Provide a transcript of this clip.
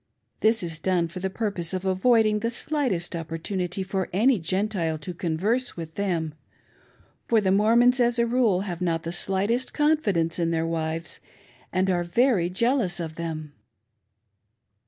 This is done for the purpose of avoiding the slightest opportunity for any Gentile to converse with them ; for the Mormons, as ■a. rule, have not the slightest confidence in their wives, and are very jealous of them.